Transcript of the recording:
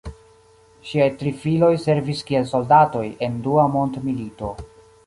Ŝiaj tri filoj servis kiel soldatoj en Dua mondmilito.